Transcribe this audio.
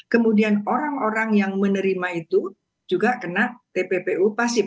kemudian orang orang yang menerima itu juga kena tppu pasif